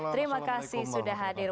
terima kasih sudah hadir